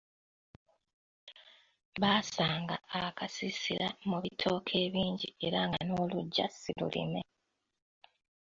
Baasanga akasiisira mu bitooke ebingi era nga noluggya si lulime.